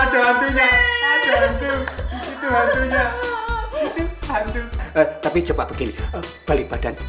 tapi coba begini balik badan